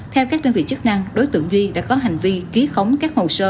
theo các đơn vị chức năng đối tượng duy đã có hành vi ký khống các hồ sơ